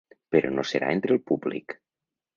Però no serà entre el públic.